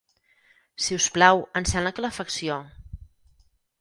Si us plau, encén la calefacció.